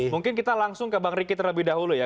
mungkin kita langsung ke bang riki terlebih dahulu ya